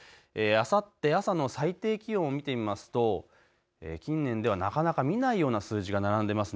あさって朝の最低気温を見てみますと近年ではなかなか見ないような数字が並んでますね。